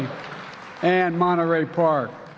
dan di monterey park